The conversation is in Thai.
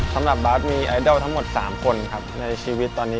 สำหรับบาทมีไอดอลทั้งหมด๓คนครับในชีวิตตอนนี้